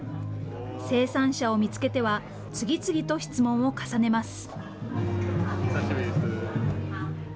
生産者を見つけては、次々と質問を重ねます。